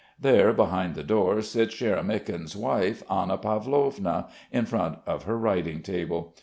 There behind the door sits Sharamykin's wife, Anna Pavlovna, in front of her writing table.